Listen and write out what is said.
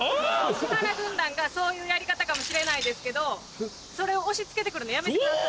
石原軍団がそういうやり方かもしれないですけどそれを押しつけてくるのやめてください。